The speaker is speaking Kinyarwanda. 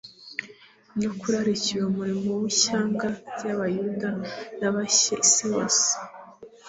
no kurarikira umurimo we ishyanga ry'abayuda n'abahye isi yose,